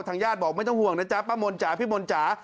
ญาติบอกไม่ต้องห่วงนะจ๊ะป้ามนจ๋าพี่มนต์จ๋า